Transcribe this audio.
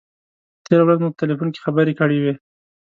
تېره ورځ مو په تیلفون کې خبرې کړې وې.